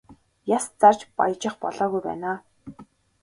Яс зарж баяжих болоогүй байна аа.